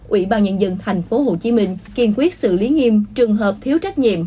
ubnd tp hcm kiên quyết xử lý nghiêm trường hợp thiếu trách nhiệm